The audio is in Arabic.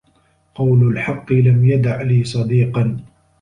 قول الحق لم يدع لي صديقا